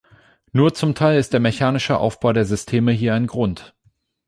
Nur zum Teil ist der mechanische Aufbau der Systeme hier ein Grund.